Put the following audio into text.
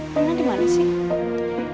reina dimana sih